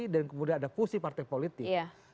dan kemudian ada pusi partai politik